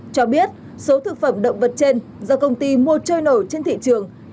cho biết số thực phẩm động vật trên do công ty mua trôi nổi trên thị trường